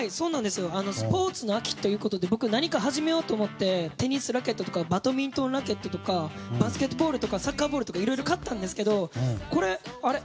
スポーツの秋ということで僕、何か始めようと思ってテニスラケットとかバドミントンのラケットとかバスケットボールとかサッカーボールとかいろいろ買ったんですけどこれ、あれ？